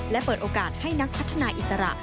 และเปิดโอกาสให้นักพัฒนาอิสระ